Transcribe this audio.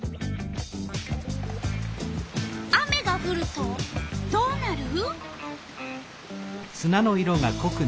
雨がふるとどうなる？